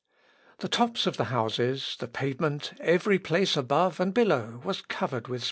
The tops of the houses, the pavement, every place above and below was covered with spectators.